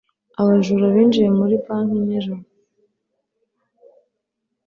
Abajura binjiye muri banki nijoro